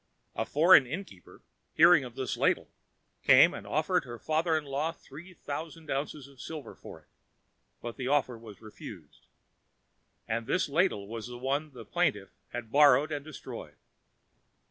A foreign innkeeper, hearing of this ladle, came and offered her father in law three thousand ounces of silver for it, but the offer was refused. And this ladle was the one that the plaintiff had borrowed and destroyed.